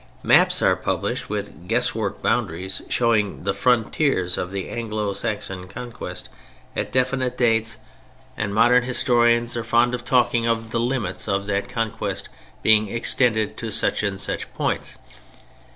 Maps are published with guesswork boundaries showing the "frontiers" of the "Anglo Saxon conquest," at definite dates, and modern historians are fond of talking of the "limits" of that conquest being "extended" to such and such points.